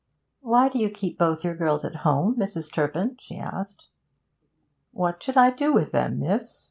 'Why do you keep both your girls at home, Mrs. Turpin?' she asked. 'What should I do with them, miss?